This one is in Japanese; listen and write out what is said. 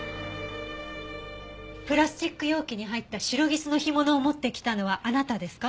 プラスチック容器に入ったシロギスの干物を持ってきたのはあなたですか？